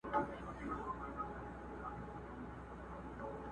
زه له بېرنګۍ سره سوځېږم ته به نه ژاړې!!